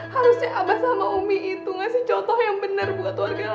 harusnya abah sama umi itu ngasih contoh yang bener buat warga lain ya mba